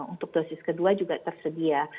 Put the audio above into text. untuk dosis kedua juga tersedia